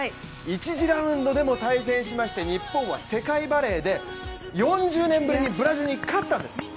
１次ラウンドでも対戦しまして日本は世界バレーで４０年ぶりにブラジルに勝ったんです。